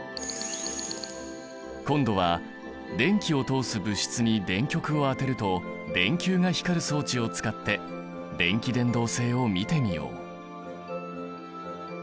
今度は電気を通す物質に電極を当てると電球が光る装置を使って電気伝導性を見てみよう。